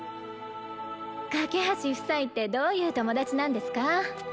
架橋夫妻ってどういう友達なんですか？